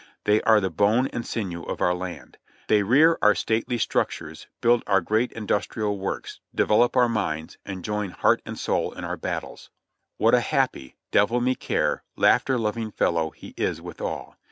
They are the bone and sinew of our land. They rear our stately structures, build our great in dustrial works, develop our mines, and join heart and soul in our battles. What a happy, devil me care, laughter loving fellow he is withal